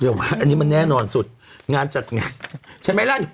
เดี๋ยวว่าอันนี้มันแน่นอนสุดงานจัดงานใช่ไหมล่ะ